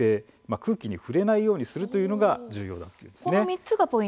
空気に触れないようにするというのが重要だというんです。